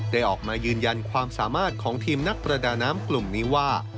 ได้ออกมายืนยันความสามารถของทีมนักประดาน้ำกลุ่มนี้ว่า